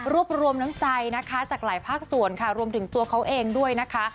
รวมน้ำใจนะคะจากหลายภาคส่วนค่ะรวมถึงตัวเขาเองด้วยนะคะ